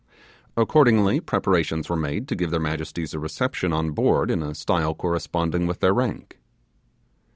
Accordingly, preparations were made to give their majesties a reception on board in a style corresponding with their rank.